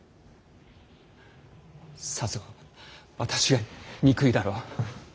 さぞ私が憎いだろう。